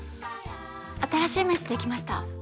新しい名刺できました。